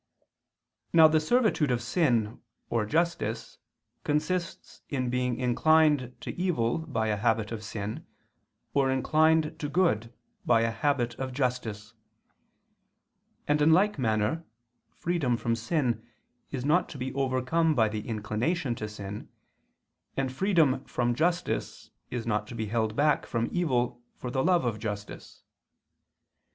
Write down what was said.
Now the servitude of sin or justice consists in being inclined to evil by a habit of sin, or inclined to good by a habit of justice: and in like manner freedom from sin is not to be overcome by the inclination to sin, and freedom from justice is not to be held back from evil for the love of justice.